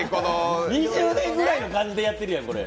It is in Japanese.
２０年ぐらいの感じでやってるやん、これ。